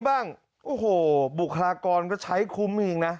โอ้โหบุคลากรก็ใช้คุ้มเองนะ